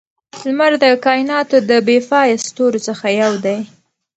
لمر د کائناتو د بې پایه ستورو څخه یو دی.